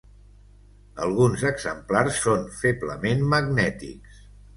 Alguns exemplars són feblement magnètics.